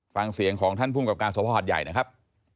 ฟังเสียงของท่านภูมิกับการสภหัดใหญ่นะครับ